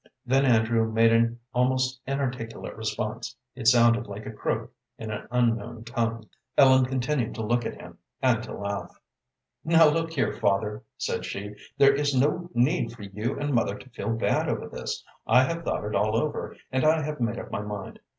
Then Andrew made an almost inarticulate response; it sounded like a croak in an unknown tongue. Ellen continued to look at him, and to laugh. "Now look here, father," said she. "There is no need for you and mother to feel bad over this. I have thought it all over, and I have made up my mind.